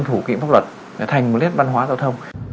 vân thủ kỹ pháp luật để thành một lết văn hóa giao thông